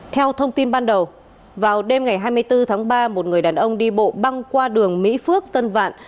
theo thông tin ban đầu vào đêm ngày hai mươi bốn tháng ba một người đàn ông đi bộ băng qua đường mỹ phước tân vạn